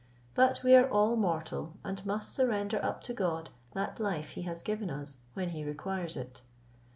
But we are all mortal, and must surrender up to God that life he has given us, when he requires it.